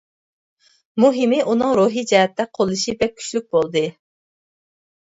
مۇھىمى ئۇنىڭ روھى جەھەتتە قوللىشى بەك كۈچلۈك بولدى.